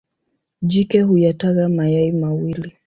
Jike huyataga mayai mawili.